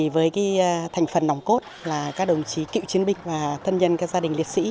với thành phần nòng cốt là các đồng chí cựu chiến binh và thân nhân gia đình việt sĩ